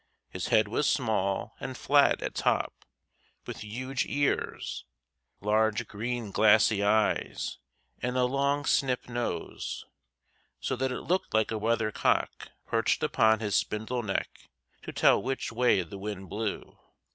His head was small, and flat at top, with huge ears, large green glassy eyes, and a long snip nose, so that it looked like a weathercock perched upon his spindle neck to tell which way the wind blew.